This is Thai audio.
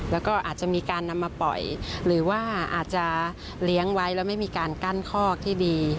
แล้วก็อาจจะมีการนำมาปล่อยหรือว่าอาจจะเลี้ยงไว้แล้วไม่มีการกั้นคอกที่ดี